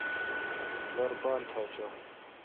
دور بان تھا چو۔